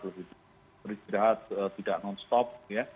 beristirahat tidak non stop